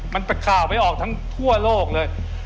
มันเป็นข้าวไปออกทั้งทั่วโลกเลย